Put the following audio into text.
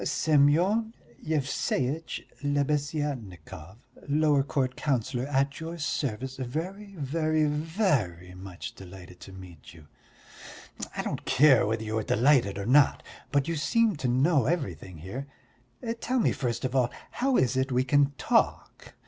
"Semyon Yevseitch Lebeziatnikov, lower court councillor, at your service, very, very, very much delighted to meet you." "I don't care whether you are delighted or not, but you seem to know everything here. Tell me first of all how it is we can talk?